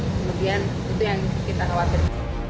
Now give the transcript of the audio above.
kemudian itu yang kita khawatir